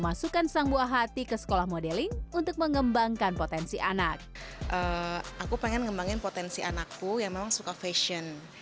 aku ingin mengembangkan potensi anakku yang memang suka fashion